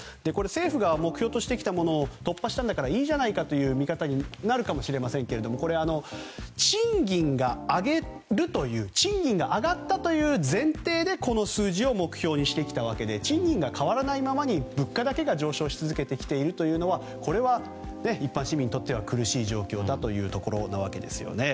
政府が目標としてきたものを突破したんだからいいじゃないかという見方になるかもしれませんがこれは、賃金が上がったという前提でこの数字を目標にしてきたわけで賃金が変わらないままに物価だけ上昇し続けているというのはこれは、一般市民にとっては苦しい状況なわけです。